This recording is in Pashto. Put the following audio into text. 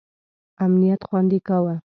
امنیت خوندي کاوه.